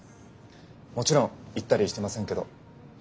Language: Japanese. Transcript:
もちろん行ったりしてませんけど。